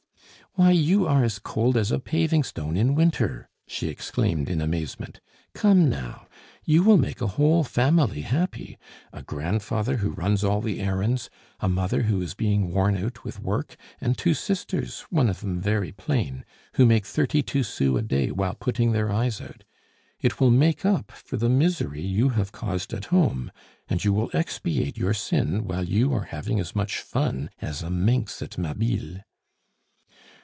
"Why, you are as cold as a paving stone in winter!" she exclaimed in amazement. "Come, now. You will make a whole family happy a grandfather who runs all the errands, a mother who is being worn out with work, and two sisters one of them very plain who make thirty two sous a day while putting their eyes out. It will make up for the misery you have caused at home, and you will expiate your sin while you are having as much fun as a minx at Mabille."